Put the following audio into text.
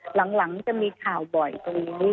หลังจากมีข่าวบ่อยตรงนี้